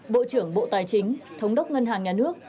bộ trưởng bộ tài chính thống đốc ngân hàng nhà nước